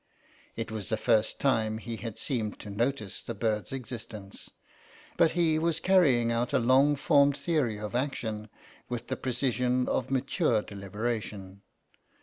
It was the first time he had seemed to notice the bird's existence, but he was carrying out a long formed theory of action with the precision of mature deliberation.